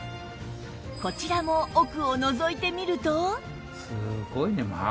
こちらも奥をのぞいてみると